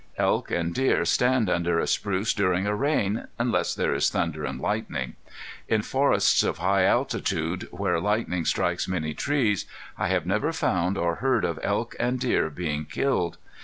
Elk and deer stand under a spruce during a rain, unless there is thunder and lightning. In forests of high altitude, where lightning strikes many trees, I have never found or heard of elk and deer being killed.